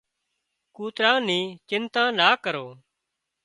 ڪُوترا نِي چنتا نا ڪرو